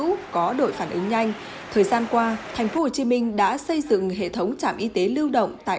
vũ có đội phản ứng nhanh thời gian qua tp hcm đã xây dựng hệ thống trạm y tế lưu động tại